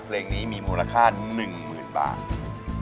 เพลงนี้มีมูลค่า๑๐๐๐บาท